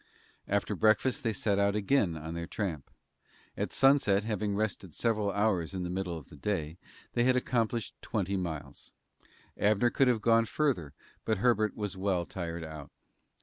After breakfast they set out again on their tramp. At sunset, having rested several hours in the middle of the day, they had accomplished twenty miles. Abner could have gone further, but Herbert was well tired out.